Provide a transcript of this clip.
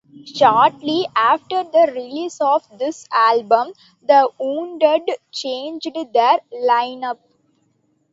Shortly after the release of this album, The Wounded changed their line-up.